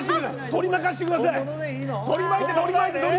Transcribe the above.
取り巻かしてください。